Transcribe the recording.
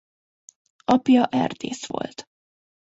Apja erdész volt.